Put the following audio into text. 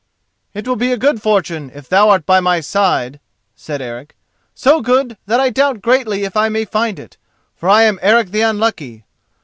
"It will be a good fortune if thou art by my side," said Eric, "so good that I doubt greatly if I may find it, for I am Eric the Unlucky.